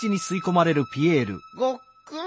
ごっくん。